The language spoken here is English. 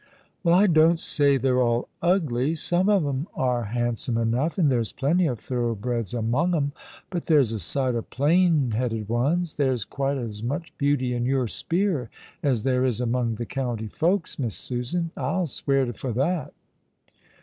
" Well, I don't say they're all ugly. Some of 'em are hand some enough, and there's plenty of thorough breds among 'em, but there's a sight of plain headed ones. There's quite as much beauty in your spear as there is among the county folks. Miss Susan. I'll answer for that."